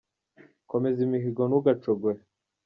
Komeza imihigo ntugacogore.